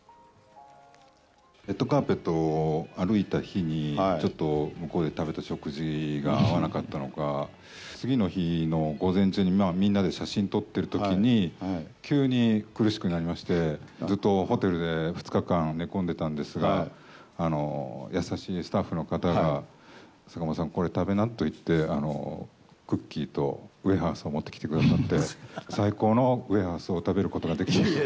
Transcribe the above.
レッドカーペットを歩いた日に、ちょっと向こうで食べた食事が合わなかったのか、次の日の午前中にみんなで写真撮ってるときに、急に苦しくなりまして、ずっとホテルで２日間寝込んでたんですが、優しいスタッフの方が坂元さん、これ食べなって言って、クッキーとウエハースを持ってきてくださって、最高のウエハースを食べることができました。